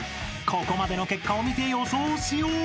［ここまでの結果を見て予想しよう］